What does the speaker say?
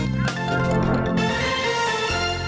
จริงกูไม่เป็น